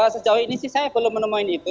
sejauh ini sih saya belum menemui itu